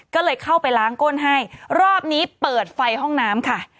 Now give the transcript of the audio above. ก็เลยเข้าไปล้างก้นให้รอบนี้เปิดไฟห้องน้ำค่ะ